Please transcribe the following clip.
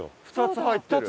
２つ入ってる。